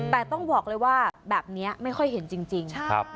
แต่ต้องบอกเลยว่าแบบนี้ไม่ค่อยเห็นจริง